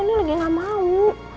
ini lagi gak mau